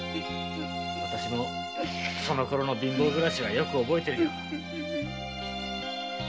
そのころの貧乏暮らしよく覚えてるよ。